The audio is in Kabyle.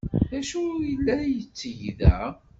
D acu ay la yetteg da?